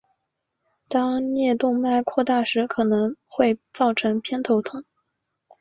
当颞动脉扩大时可能会造成偏头痛。